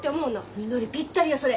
みのりぴったりよそれ。